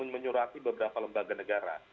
menyuruh beberapa lembaga negara